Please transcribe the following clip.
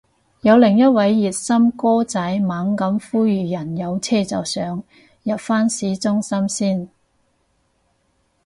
有另一位熱心哥仔猛咁呼籲人有車就上，入返市中心先